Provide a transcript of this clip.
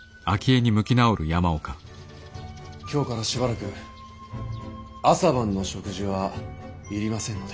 今日からしばらく朝晩の食事は要りませんので。